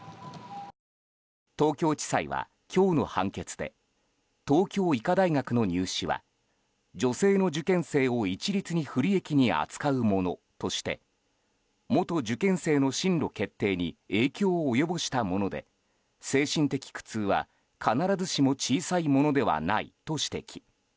東京地裁は今日の判決で東京医科大学の入試は女性の受験生を一律に不利益に扱うものとして元受験生の進路決定に影響を及ぼしたもので精神的苦痛は必ずしも小さいものではないと指摘。